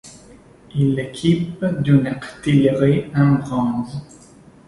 Il l'équipe d'une artillerie en bronze.